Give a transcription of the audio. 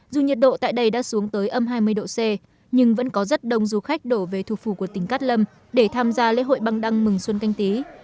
dù nhiệt độ tại đây đã xuống tới âm hai mươi độ c nhưng vẫn có rất đông du khách đổ về thủ phủ của tỉnh cát lâm để tham gia lễ hội băng đăng mừng xuân canh tí